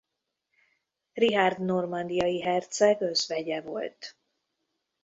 Richárd normandiai herceg özvegye volt.